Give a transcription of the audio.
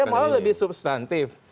ya malah lebih substantif